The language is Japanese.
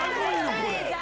これ。